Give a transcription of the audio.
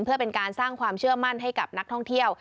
เพื่อเป็นการสร้างความเชื่อมั่นให้กับนักท่องเที่ยว